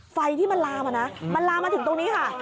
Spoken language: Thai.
ไฟที่มันลามมานะมันลามมาถึงตรงนี้ค่ะ